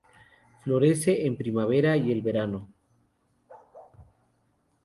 Florece entre la primavera y el verano.